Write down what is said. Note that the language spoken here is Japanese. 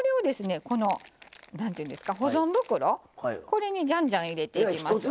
これにじゃんじゃん入れていきます。